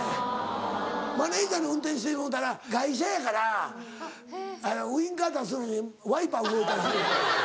マネジャーに運転してもろうたら外車やからウインカー出すのにワイパー動いたりするんで。